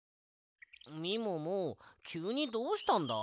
みももきゅうにどうしたんだ？